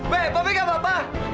be bebe gak apa apa